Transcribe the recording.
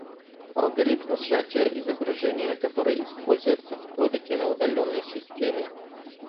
Алгоритм сжатия изображения, который используется в кодеке на удаленной системе